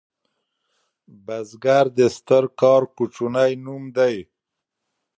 بزګر د ستر کار کوچنی نوم دی